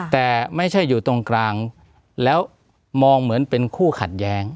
แต่ไม่ใช่อยู่ตรงกลางแล้วมองเหมือนเป็นคู่ขัดแย้ง